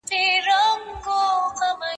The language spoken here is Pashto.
زه به سبا د درسونو يادوم!